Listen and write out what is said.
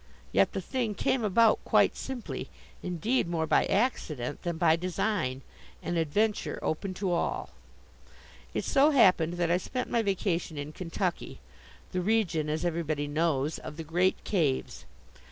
Yet the thing came about quite simply, indeed more by accident than by design, an adventure open to all. It so happened that I spent my vacation in Kentucky the region, as everybody knows, of the great caves.